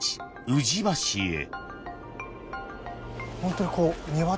宇治橋へ］